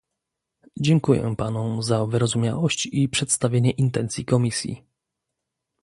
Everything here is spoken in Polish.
Dziękuję panom za wyrozumiałość i przedstawienie intencji Komisji